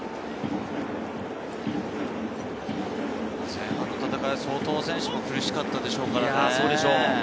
前半の戦いは相当、選手も苦しかったでしょうからね。